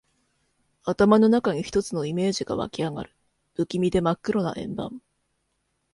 頭の中に一つのイメージが湧きあがる。不気味で真っ黒な円盤。